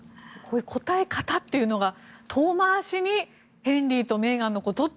答え方っていうのが遠回しにヘンリーとメーガンのことって？